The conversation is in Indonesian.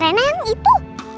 reina yang itu